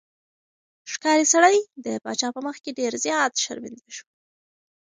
ښکاري سړی د پاچا په مخ کې ډېر زیات شرمنده شو.